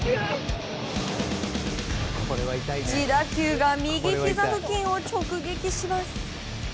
自打球が右ひざ付近を直撃します。